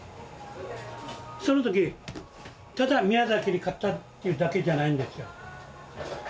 その時ただ宮崎に勝ったっていうだけじゃないんですよ。